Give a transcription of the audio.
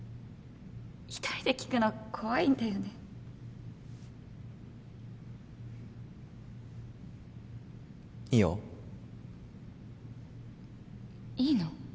一人で聞くの怖いんだよねいいよいいの？